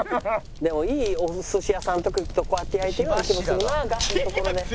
いいおすし屋さんとか行くとこうやって焼いてるような気もするなガスのところで。